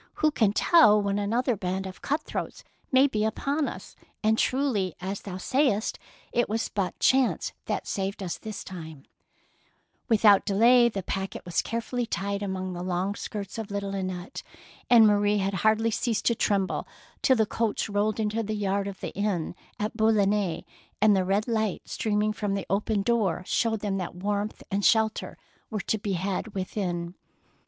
" Who can tell 146 THE PEAEL NECKLACE when another band of cutthroats may be upon us, and truly, as thou saidst, it was but chance that saved us this time/^ Without any delay the packet was carefully tied among the long skirts of little Annette, and Marie hardly ceased to tremble till the coach rolled into the yard of the inn at Boulogne, and the red light streaming from the open door showed them that warmth and shelter were to be had within.